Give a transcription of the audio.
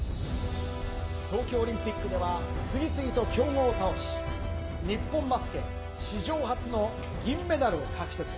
東京オリンピックでは、次々と強豪を倒し、日本バスケ史上初の銀メダルを獲得。